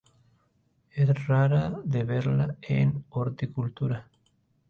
Es rara de verla en horticultura.